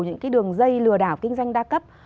những cái đường dây lừa đảo kinh doanh đa cấp